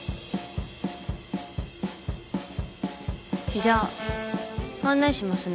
じゃあ案内しますね。